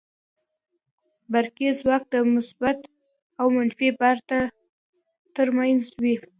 برقي ځواک د مثبت او منفي بار تر منځ وي.